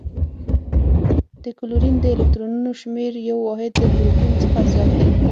د کلورین د الکترونونو شمیر یو واحد د پروتون څخه زیات دی.